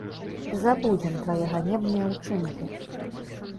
Забудзем твае ганебныя ўчынкі!